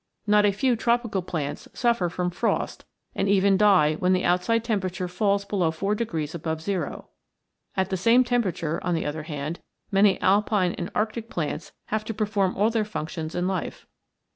Not a few tropical plants suffer from frost and even die when the outside temperature falls below four degrees above zero. At the same temperature, on the other hand, many alpine and arctic plants have to perform all their functions in life.